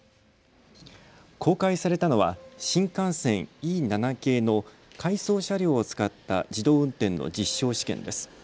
公開されたのは新幹線Ｅ７系の回送車両を使った自動運転の実証試験です。